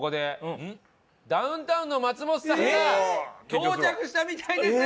うん？ダウンタウンの松本さんが到着したみたいです！